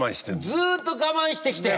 ずっとガマンしてきて。